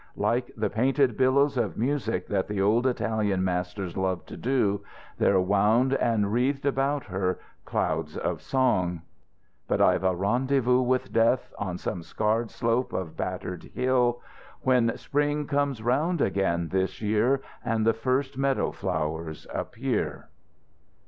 Like the painted billows of music that the old Italian masters loved to do, there wound and wreathed about her clouds of song. But I've a rendezvous with Death On some scarred slope of battered hill, When spring comes round again this year And the first meadow flowers appear.